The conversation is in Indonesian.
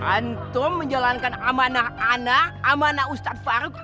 antum menjalankan amah amah anak ustadz farouk